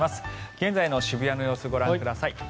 現在の渋谷の様子ご覧ください。